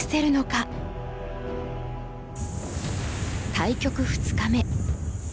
対局２日目。